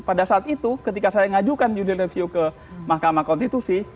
pada saat itu ketika saya mengajukan judil review ke mahkamah konstitusi